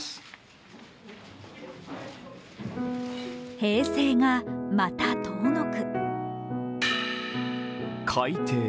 平成がまた遠のく。